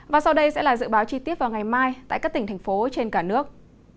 và sau đây sẽ là dự báo chi tiết vào ngày mai tại các tỉnh thành phố trên cả nước